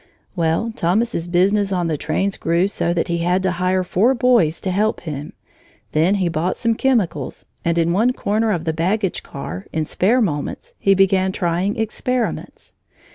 Well, Thomas's business on the trains grew so that he had to hire four boys to help him. Then he bought some chemicals, and in one corner of the baggage car, in spare moments, he began trying experiments.